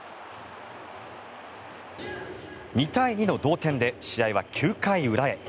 ２対２の同点で試合は９回裏へ。